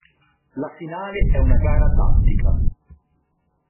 La finale è una gara tattica.